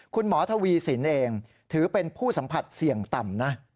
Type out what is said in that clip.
คุณหมอทวีสินเองถือเป็นผู้สัมผัสเสี่ยงต่ำนะ